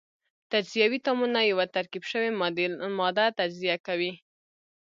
تجزیوي تعاملونه یوه ترکیب شوې ماده تجزیه کوي.